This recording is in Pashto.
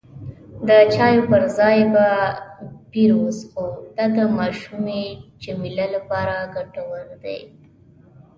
د چایو پر ځای به بیر وڅښو، دا د ماشومې جميله لپاره ګټور دی.